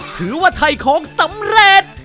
ถือว่าถ่ายของสำเร็จ